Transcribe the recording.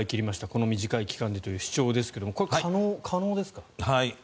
この短い期間でという主張ですがこれは可能ですか？